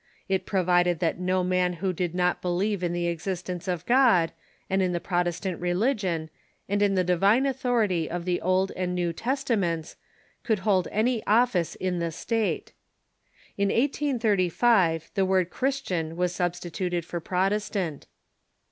It provided that no man who did not believe in the existence of God, and in the Protestant religion, and in the divine authority of the Old and New Testaments, could hold any office in the state. In 1835 the word Christian Avas substituted for Protestant.